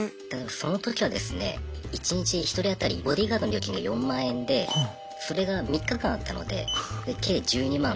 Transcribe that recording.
その時はですね一日１人当たりボディーガードの料金が４万円でそれが３日間あったので計１２万。